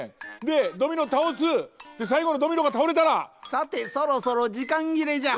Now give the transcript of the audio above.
さてそろそろじかんぎれじゃ。